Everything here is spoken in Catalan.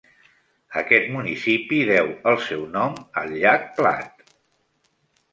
Aquest municipi deu el seu nom al llac Platte.